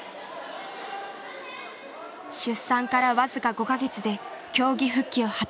出産から僅か５か月で競技復帰を果たす。